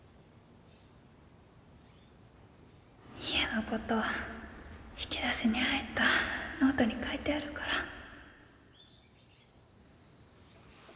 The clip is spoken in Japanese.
家のこと引き出しに入ったノートに書いてあるから。